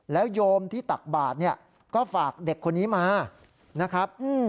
แล้วโยมที่ตักบาทเนี่ยก็ฝากเด็กคนนี้มานะครับ